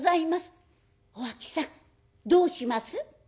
お秋さんどうします？」。